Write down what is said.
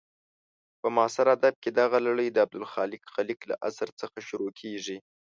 په معاصر ادب کې دغه لړۍ د عبدالخالق خلیق له اثر څخه شروع کېږي.